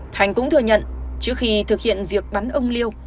thành cũng thừa nhận trước khi thực hiện việc bắn ông liêu